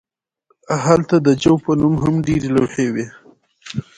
هلته د جو په نوم هم ډیرې لوحې وې